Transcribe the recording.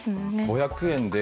５００円で。